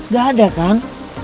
gak ada kan